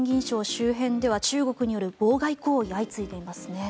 周辺では中国による妨害行為が相次いでいますね。